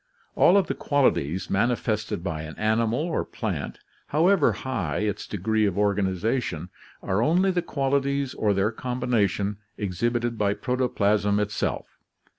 All of the qualities manifested by an animal or plant, however high its degree of organi zation, are only the qualities or their combination exhibited by pro toplasm itself.